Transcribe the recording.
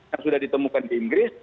yang sudah ditemukan di inggris